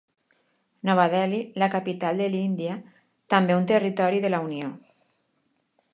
Nova Delhi, la capital de l'Índia, també un territori de la Unió.